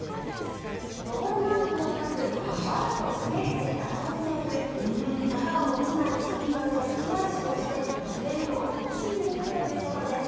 上れないのではなくわざと滑って遊んでいる坂を落ちないスピードで駆け足をして滑るのを楽しんでいるということです。